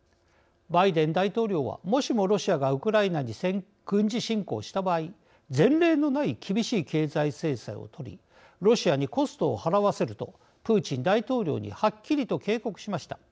バイデン大統領はもしもロシアがウクライナに軍事侵攻した場合前例のない厳しい経済制裁をとりロシアにコストを払わせるとプーチン大統領にはっきりと警告しました。